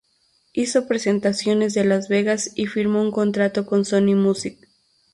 Hizo presentaciones de Las Vegas y firmó un contrato con Sony Music.